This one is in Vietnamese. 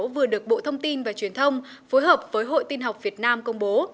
vừa được bộ thông tin và truyền thông phối hợp với hội tin học việt nam công bố